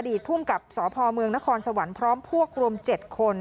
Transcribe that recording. ภูมิกับสพเมืองนครสวรรค์พร้อมพวกรวม๗คน